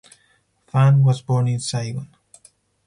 Phan was born in Saigon.